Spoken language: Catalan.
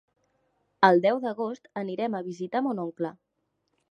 El deu d'agost anirem a visitar mon oncle.